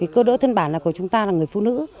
cô đỡ thân bản của chúng ta là người phụ nữ